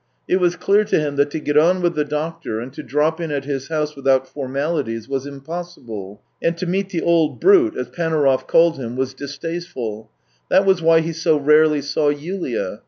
It was clear to him that to get on with the doctor and to drop in at his house with out formalities was impossible; and to meet the " old brute," as Panaurov called him, was dis 196 THE TALES OF TCHEHOV tasteful. That was why he so rarely saw Yulia.